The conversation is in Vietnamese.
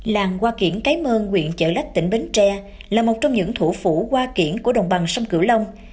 làng hoa kiển cái mơn huyện trợ lách tỉnh bến tre là một trong những thủ phủ hoa kiển của đồng bằng sông kiều long